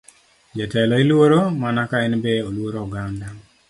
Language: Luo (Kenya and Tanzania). Jatelo iluoro mana ka en be oluoro oganda.